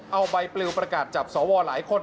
เอาใบปลิวประกาศจับสวหลายคน